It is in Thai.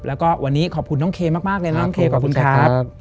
แล้วก็วันนี้ขอบคุณน้องเคมากเลยน้องเคขอบคุณครับ